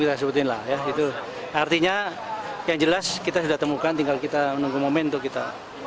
kita sebutin lah ya itu artinya yang jelas kita sudah temukan tinggal kita menunggu momen untuk kita